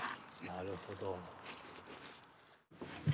なるほど。